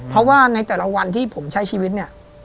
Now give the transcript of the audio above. เพราะว่าในแต่ละวันที่ผมใช้ชีวิตเนี่ย